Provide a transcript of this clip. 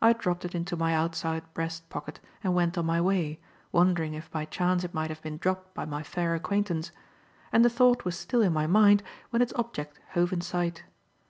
I dropped it into my outside breast pocket and went on my way, wondering if by chance it might have been dropped by my fair acquaintance; and the thought was still in my mind when its object hove in sight.